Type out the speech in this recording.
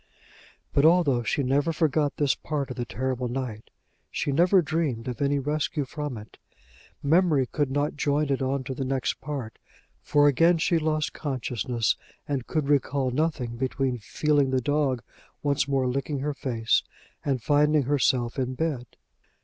But, although she never forgot this part of the terrible night, she never dreamed of any rescue from it; memory could not join it on to the next part, for again she lost consciousness, and could recall nothing between feeling the dog once more licking her face and finding herself in bed.